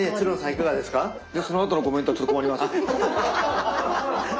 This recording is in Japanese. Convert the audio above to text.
そのあとのコメントはちょっと困ります。